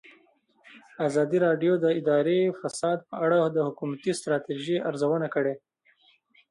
ازادي راډیو د اداري فساد په اړه د حکومتي ستراتیژۍ ارزونه کړې.